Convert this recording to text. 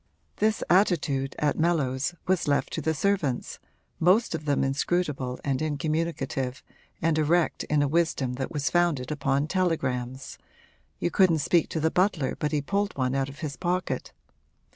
This attitude, at Mellows, was left to the servants, most of them inscrutable and incommunicative and erect in a wisdom that was founded upon telegrams you couldn't speak to the butler but he pulled one out of his pocket.